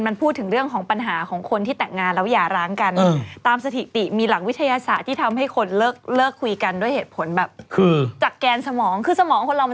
มันพูดถึงปัญหาในหิตัดงาน